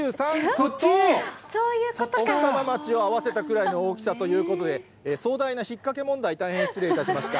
そっち？と奥多摩町を合わせたくらいの大きさということで、壮大なひっかけ問題、大変失礼いたしました。